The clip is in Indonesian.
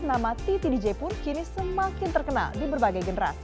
nama titi dj pun kini semakin terkenal di berbagai generasi